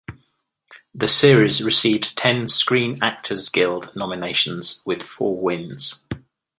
The series received ten Screen Actors Guild nominations with four wins.